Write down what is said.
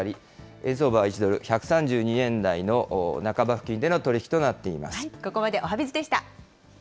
円相場は１ドル１３２円台の半ば付近での取り引きとなっています。